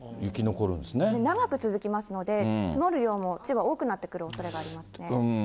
長く続きますので、積もる量も千葉、多くなってくるおそれがありますね。